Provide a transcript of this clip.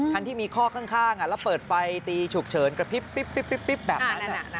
คันที่มีข้อข้างแล้วเปิดไฟตีฉุกเฉินกระพริบแบบนั้น